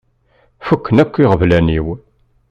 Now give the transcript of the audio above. Fukken akk iɣeblan-iw.